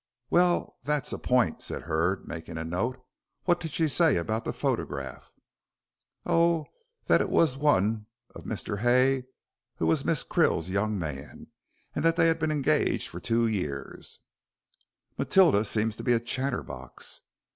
"Well, that's a point," said Hurd, making a note. "What did she say about the photograph?" "Oh, that it was one of Mr. Hay who was Miss Krill's young man, and that they had been engaged for two years " "Matilda seems to be a chatterbox."